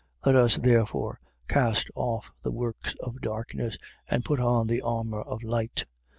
Let us, therefore cast off the works of darkness and put on the armour of light.